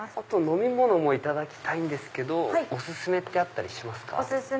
飲み物もいただきたいんですけどお薦めってあったりしますか？